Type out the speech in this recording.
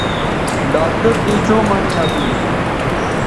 ڈاکٹر تے چوں مہ نین اسو